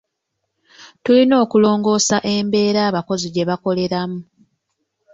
Tulina okulongoosa embeera abakozi gye bakoleramu.